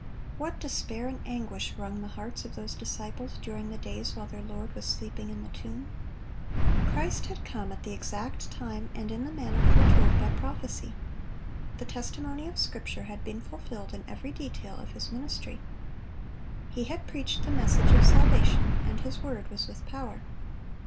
What despair and anguish wrung the hearts of those disciples during the days while their Lord was sleeping in the tomb! Christ had come at the exact time and in the manner foretold by prophecy. The testimony of Scripture had been fulfilled in every detail of His ministry. He had preached the message of salvation, and "His word was with power."